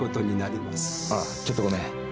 ああちょっとごめん。